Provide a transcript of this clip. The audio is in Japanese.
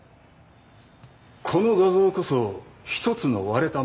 この画像こそ「一つの割れた窓」だ。